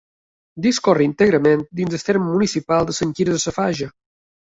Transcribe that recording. Discorre íntegrament dins del terme municipal de Sant Quirze Safaja.